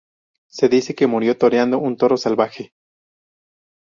Se dice que murió toreando un toro salvaje.